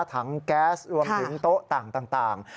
ถังแก๊สรวมถึงโต๊ะต่าง